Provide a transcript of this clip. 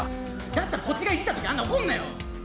だったらこっちがイジった時あんな怒んなよ